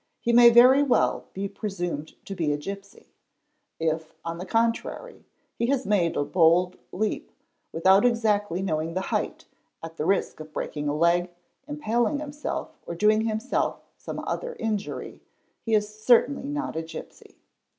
he may very well be presumed to be a gipsy; if, on the contrary, he has made a bold leap, without exactly knowing the height, at the risk of breaking a leg, impaling himself, or doing himself some other injury, he is certainly not a gipsy.